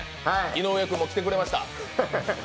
井上君も来てくれました。